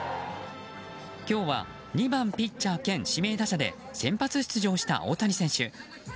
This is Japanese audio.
今日は２番ピッチャー兼指名打者で先発出場した大谷選手。